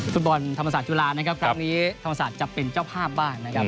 ฟุตบอลธรรมศาสตร์จุฬานะครับครั้งนี้ธรรมศาสตร์จะเป็นเจ้าภาพบ้างนะครับ